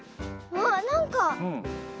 あっなんかどれ。